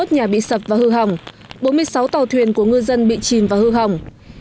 hai mươi nhà bị sập và hư hỏng bốn mươi sáu tàu thuyền của ngư dân bị chìm và hư hỏng